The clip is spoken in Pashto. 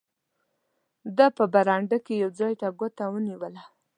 ده په برنډه کې یو ځای ته ګوته ونیوله.